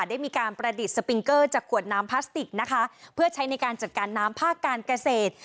ได้มีการประดิษฐ์สปิงเกอร์จากขวดน้ำพลาสติกนะคะเพื่อใช้ในการจัดการน้ำภาคการเกษตร